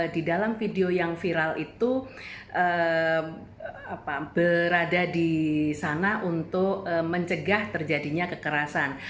di dalam video yang viral itu berada di sana untuk mencegah terjadinya kekerasan